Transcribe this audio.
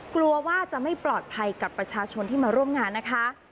กลัวว่าจะไม่ปลอดภัยกับประชาชนที่มาร่วมงานนะคะ